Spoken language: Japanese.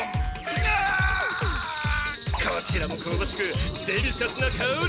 こちらもこうばしくデリシャスなかおり！